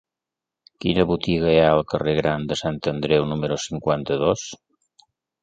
Quina botiga hi ha al carrer Gran de Sant Andreu número cinquanta-dos?